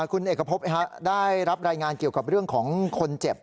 คุณเอกพบได้รับรายงานเกี่ยวกับเรื่องของคนเจ็บ